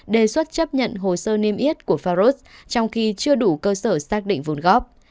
đề xuất chấp nhận hồ sơ niêm yết của faros trong khi chưa đủ cơ sở xác định vốn góp